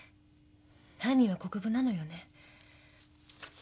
犯人は国府なのよね。